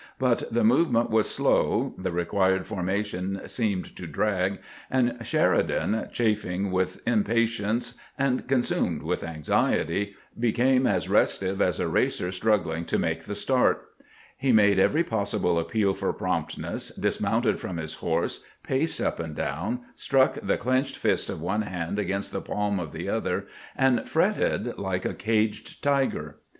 But the movement was slow, the re quired formation seemed to drag, and Sheridan, chafing with impatience and consumed with anxiety, became as restive as a racer struggling to make the start. He made every possible appeal for promptness, dismounted from his horse, paced up and down, struck the clenched fist of one hand against the palm of the other, and fretted like a caged tiger.